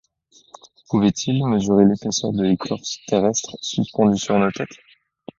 Pouvait-il mesurer l’épaisseur de l’écorce terrestre suspendue sur notre tête ?